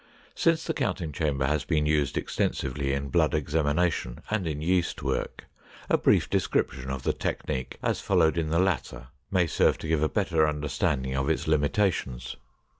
Since the counting chamber has been used extensively in blood examination and in yeast work, a brief description of the technique as followed in the latter may serve to give a better understanding of its limitations.